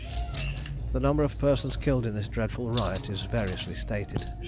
The number of persons killed in this dreadful riot is variously stated.